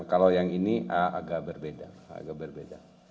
kalau yang ini agak berbeda agak berbeda